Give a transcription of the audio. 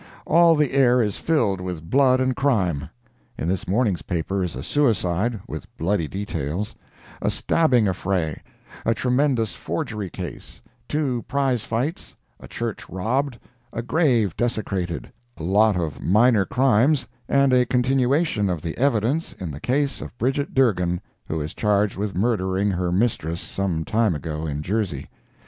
All the air is filled with blood and crime. In this morning's paper is a suicide, with bloody details; a stabbing affray; a tremendous forgery case; two prize fights; a church robbed; a grave desecrated; a lot of minor crimes, and a continuation of the evidence in the case of Bridget Dergan, who is charged with murdering her mistress, some time ago in Jersey.